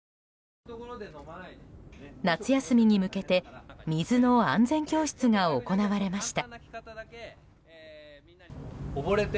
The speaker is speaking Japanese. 夏休みに向けて水の安全教室が行われました。